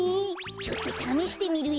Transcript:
ちょっとためしてみるよ。